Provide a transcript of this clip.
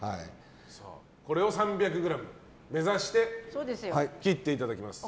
これを３００ｇ目指して切っていただきます。